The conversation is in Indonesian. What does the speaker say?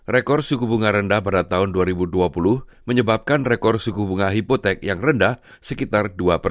rekor suku bunga rendah pada tahun dua ribu dua puluh menyebabkan rekor suku bunga hipotek yang rendah sekitar dua tiga